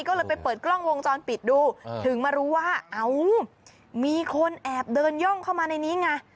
ก็เลยไปเปิดกล้องวงจรปิดดูถึงมารู้ว่าเอ้ามีคนแอบเดินย่องเข้ามาในนี้ไง